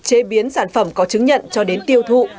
chế biến sản phẩm có chứng nhận cho đến tiêu thụ